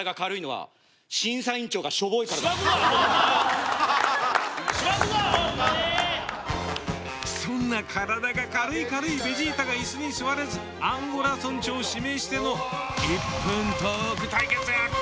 やっぱわかったぜそんな体が軽い軽いベジータが椅子に座れずアンゴラ村長を指名しての１分トーク対決。